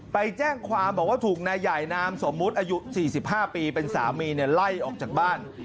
ไปแจ้งความบอกว่าถูกนายใหญ่นามสมมุติอายุ๔๕ปีเป็นสามีไล่ออกจากบ้าน